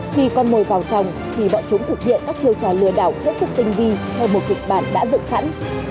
khi con mồi vào trong thì bọn chúng thực hiện các chiều trò lừa đảo rất sức tinh vi theo một kịch bản đã dựng sẵn